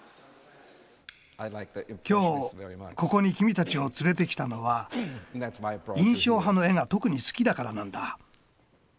今日ここに君たちを連れてきたのは印象派の絵が特に好きだからなんだ。